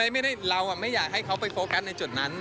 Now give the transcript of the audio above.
ไม่ได้เราอ่ะไม่อยากให้เขาไปโฟกัสในจุดนั้น